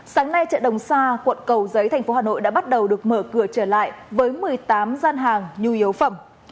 sáng nay chợ đồng sa quận cầu giấy thành phố hà nội đã bắt đầu được mở cửa trở lại với một mươi tám gian hàng nhu yếu phẩm